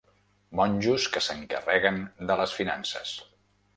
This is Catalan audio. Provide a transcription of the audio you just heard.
Monjos que s'encarreguen de les finances.